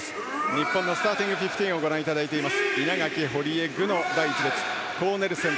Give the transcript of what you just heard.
日本のスターティングフィフティーンをご覧いただいています。